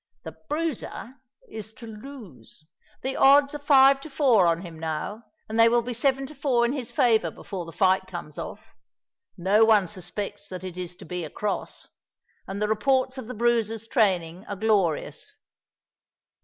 The Bruiser is to lose: the odds are five to four on him now—and they will be seven to four in his favour before the fight comes off. No one suspects that it is to be a cross; and the reports of the Bruiser's training are glorious."